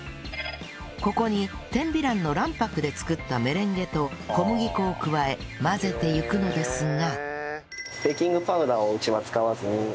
ここに天美卵の卵白で作ったメレンゲと小麦粉を加え混ぜていくのですが